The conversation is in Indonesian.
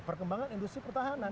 perkembangan industri pertahanan